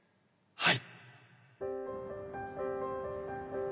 はい！